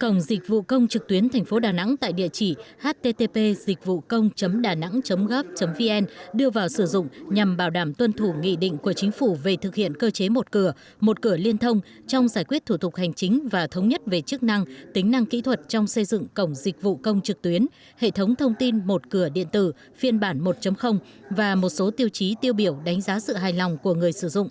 cổng dịch vụ công trực tuyến thành phố đà nẵng tại địa chỉ http dịchvucong danang gov vn đưa vào sử dụng nhằm bảo đảm tuân thủ nghị định của chính phủ về thực hiện cơ chế một cửa một cửa liên thông trong giải quyết thủ tục hành chính và thống nhất về chức năng tính năng kỹ thuật trong xây dựng cổng dịch vụ công trực tuyến hệ thống thông tin một cửa điện tử phiên bản một và một số tiêu chí tiêu biểu đánh giá sự hài lòng của người sử dụng